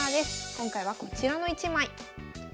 今回はこちらの一枚。